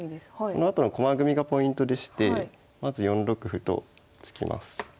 このあとの駒組みがポイントでしてまず４六歩と突きます。